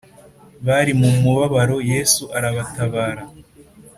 Bari mu mubabaro yesu arabatabara